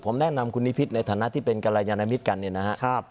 ผมแนะนำคุณนิพิษในฐานะที่เป็นกรยานมิตรกันเนี่ยนะครับ